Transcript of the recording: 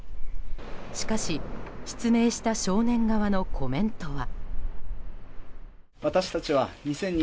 しかし、失明した少年側のコメントは。